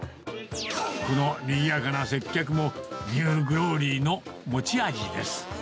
このにぎやかな接客も、ニューグローリーの持ち味です。